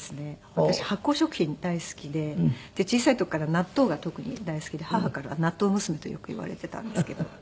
私発酵食品大好きでで小さい時から納豆が特に大好きで母からは「納豆娘」とよく言われていたんですけど。